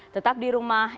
tetap di rumah